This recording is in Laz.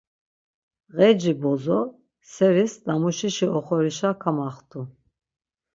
Ğeci bozo seris damuşişi oxorişa kamaxtu.